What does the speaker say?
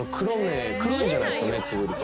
黒いじゃないですか目つぶると。